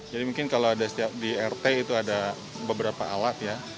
jadi mungkin kalau di rt itu ada beberapa alat ya